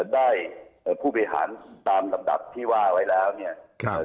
เอ่อผู้บริหารตามลำดับที่ว่าไว้แล้วเนี่ย